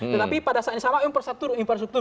tetapi pada saat yang sama infrastruktur